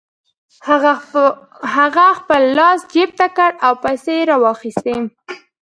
هغه خپل لاس جيب ته کړ او پيسې يې را و ايستې.